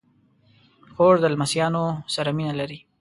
خور د لمسيانو سره مینه لري.